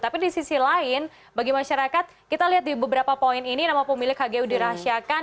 tapi di sisi lain bagi masyarakat kita lihat di beberapa poin ini nama pemilik hgu dirahasiakan